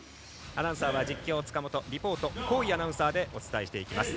アナウンサーは実況、塚本リポートは厚井アナウンサーでお伝えしていきます。